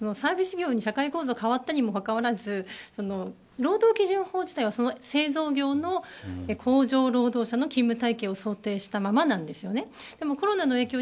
でも、そもそも日本の社会において製造業中心からサービス業中心に構造が変わったにもかかわらず労働基準法自体は、その製造業の工場労働者の勤務体系を想定したままなんですよね。